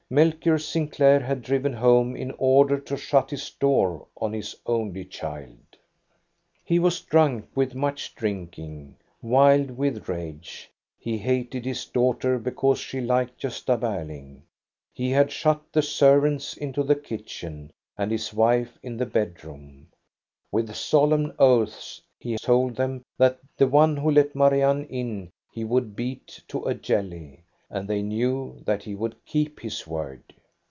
Melchior Sinclair had driven home in order to shut his door on his only child. He was drunk with much drinking, wild with rage. He hated his daughter, because she liked Gosta Ber ling. He had shut the servants into the kitchen, and his wife in the bedroom. With solemn oaths he told them that the one who let Marianne in, he would beat to a jelly. And they knew that he would keep his word.